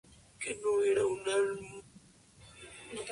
La letra está relatada en segunda persona y dirigida a una mujer.